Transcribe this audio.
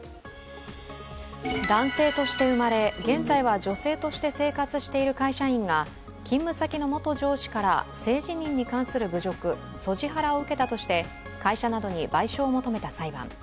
男性として生まれ、現在は女性として生活している会社員が勤務先の元上司から、性自認に関する侮辱＝ＳＯＧＩハラを受けたとして会社などに賠償を求めた裁判。